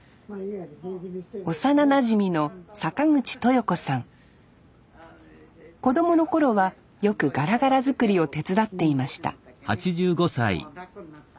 幼なじみの子供の頃はよくがらがら作りを手伝っていました